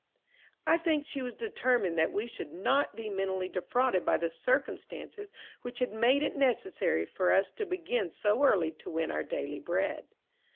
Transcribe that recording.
I think she was determined that we should not be mentally defrauded by the circumstances which had made it necessary for us to begin so early to win our daily bread.